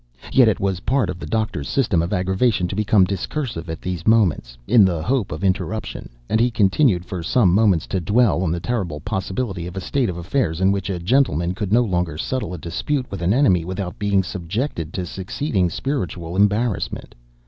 Yet it was part of the Doctor's system of aggravation to become discursive at these moments, in the hope of interruption, and he continued for some moments to dwell on the terrible possibility of a state of affairs in which a gentleman could no longer settle a dispute with an enemy without being subjected to succeeding spiritual embarrassment.